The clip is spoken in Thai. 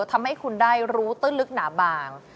ทำให้คุณได้รู้ตื้นลึกหนาบาง